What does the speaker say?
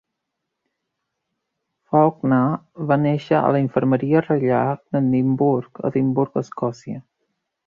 Faulkner va néixer a la Infermeria Reial d'Edimburg, a Edimburg, Escòcia.